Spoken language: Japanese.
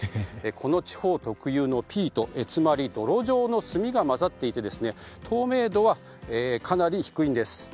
この地方特有のピート泥状の炭が混ざっていて透明度はかなり低いんです。